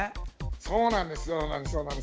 そうなんです。